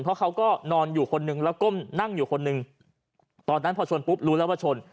เพราะเขาก็นอนอยู่คนนึงแล้วก้มนั่งอยู่คนหนึ่งตอนนั้นพอชนปุ๊บรู้แล้วว่าชน